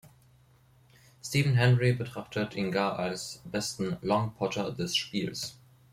Stephen Hendry betrachtet ihn gar als besten „Long Potter“ des Spiels.